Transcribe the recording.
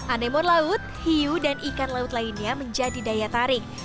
anemon laut hiu dan ikan laut lainnya menjadi daya tarik